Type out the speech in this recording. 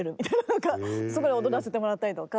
何かそこで踊らせてもらったりとか。